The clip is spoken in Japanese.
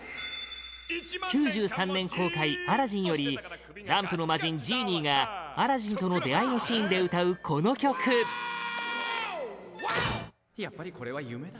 ９３年公開「アラジン」よりランプの魔神ジーニーがアラジンとの出会いのシーンで歌うこの曲アラジン：やっぱりこれは夢だ。